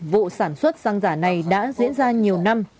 vụ sản xuất xăng giả này đã diễn ra nhiều năm